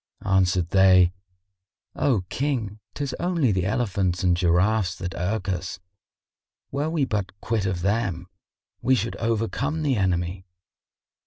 Answered they, "O King, 'tis only the elephants and giraffes that irk us; were we but quit of them, we should overcome the enemy."